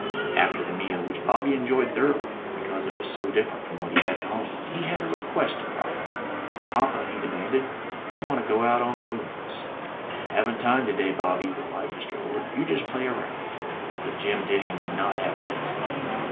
After the meal, which Bobby enjoyed thoroughly, because it was so different from what he had at home, he had a request to proffer. "Papa," he demanded, "I want to go out on the booms." "Haven't time to day, Bobby," replied Mr. Orde. "You just play around." But Jim Denning would not have this.